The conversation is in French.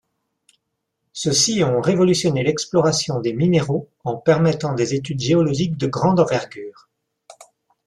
Ceux-ci ont révolutionné l'exploration des minéraux en permettant des études géologiques de grande envergure.